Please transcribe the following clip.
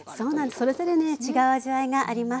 それぞれね違う味わいがあります。